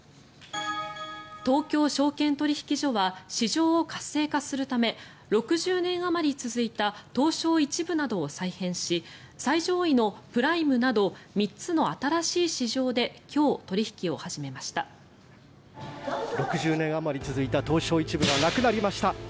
東京証券取引所は市場を活性化するため６０年あまり続いた東証１部などを再編し最上位のプライムなど３つの新しい市場で今日、取引を始めました。